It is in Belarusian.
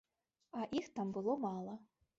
А іх там было мала.